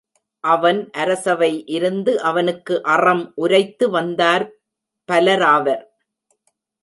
அவன் அரசவை இருந்து, அவனுக்கு அறம் உரைத்து வந்தார் பலராவர்.